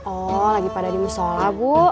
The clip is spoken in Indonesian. oh lagi pada di musola bu